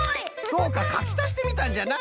そうかかきたしてみたんじゃな。